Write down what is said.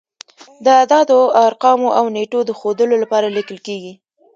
د اعدادو، ارقامو او نېټو د ښودلو لپاره لیکل کیږي.